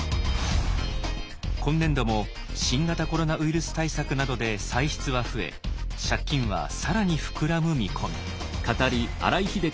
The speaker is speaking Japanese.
今年度も新型コロナウイルス対策などで歳出は増え借金は更に膨らむ見込み。